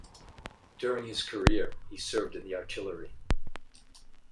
During his career he served in the artillery.